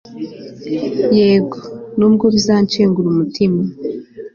yego nubwo bizanshengura umutima